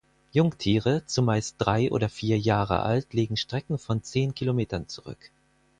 Jungtiere, zumeist drei oder vier Jahre alt, legen Strecken von zehn Kilometern zurück.